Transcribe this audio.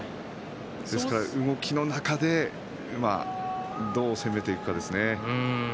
ですから動きの中でどう攻めていくかですね。